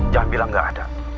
jangan bilang gak ada